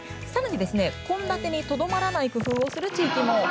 さらに、献立にとどまらない工夫をする地域も。